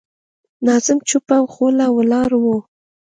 ناظم چوپه خوله ولاړ و.